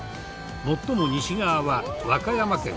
最も西側は和歌山県。